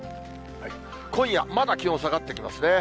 今夜、まだ気温下がってきますね。